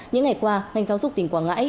những ngày qua ngành giáo dục tỉnh quảng ngãi